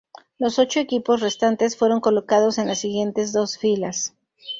Los ocho equipos restantes fueron colocados en las siguientes dos filas.